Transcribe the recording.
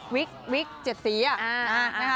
วิกวิก๗สีอ่ะ